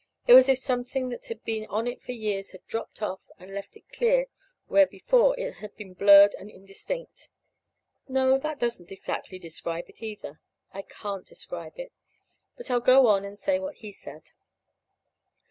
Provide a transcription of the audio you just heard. It was as if something that had been on it for years had dropped off and left it clear where before it had been blurred and indistinct. No, that doesn't exactly describe it either. I can't describe it. But I'll go on and say what he said.